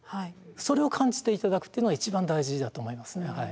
それを感じていただくっていうのが一番大事だと思いますね。